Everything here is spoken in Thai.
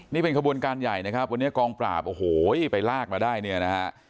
นี่เป็นขบวนการใหญ่นะครับวันนี้กองปราบโอ้โหไปลากมาได้เนี่ยนะฮะ